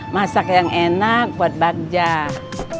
masak yang enak buat bakja